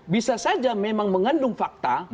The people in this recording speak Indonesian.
bisa saja memang mengandung fakta